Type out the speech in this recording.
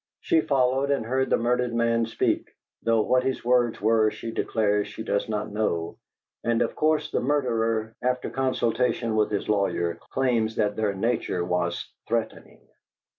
She followed and heard the murdered man speak, though what his words were she declares she does not know, and of course the murderer, after consultation with his lawyer, claims that their nature was threatening.